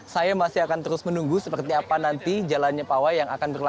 saya masih akan terus menunggu seperti apa nanti jalannya pawai yang akan berlaku